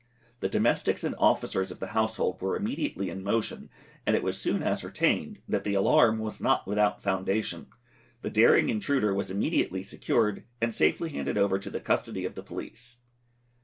The domestics and officers of the household were immediately in motion, and it was soon ascertained that the alarm was not without foundation. The daring intruder was immediately secured, and safely handed over to the custody of the police.